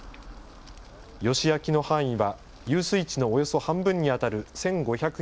ヨシ焼きの範囲は遊水地のおよそ半分にあたる１５００